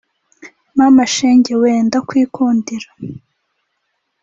Mama shenge wee ndakwikundira